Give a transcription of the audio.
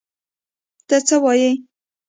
ته څه وایې!؟